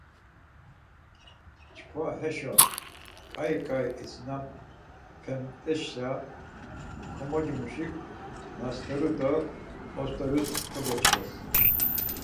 Çkva heşo ǩai ǩai isinapamt̆esşa komoci muşik nasteru do osterus kogyoç̌ǩes.